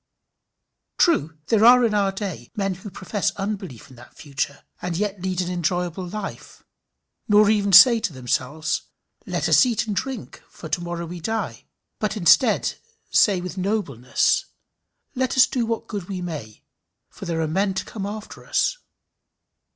True, there are in our day men who profess unbelief in that future, and yet lead an enjoyable life, nor even say to themselves, "Let us eat and drink, for to morrow we die;" but say instead, with nobleness, "Let us do what good we may, for there are men to come after us."